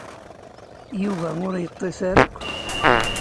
Yuba ur yeṭṭis ara akk.